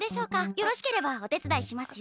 よろしければお手伝いしますよ。